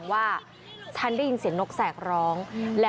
สวัสดีครับ